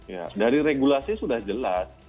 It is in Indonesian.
ya dari regulasi sudah jelas